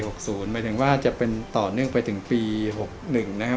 หมายถึงว่าจะเป็นต่อเนื่องไปถึงปี๖๑นะครับ